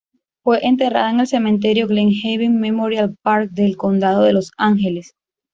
Fue enterrada en el Cementerio Glen Haven Memorial Park del condado de Los Ángeles.